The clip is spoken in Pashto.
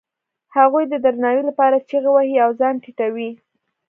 هغوی د درناوي لپاره چیغې وهي او ځان ټیټوي.